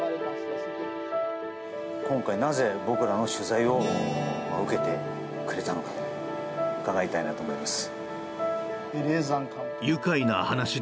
今回なぜ、僕らの取材を受けてくれたのか伺いたいなと思います。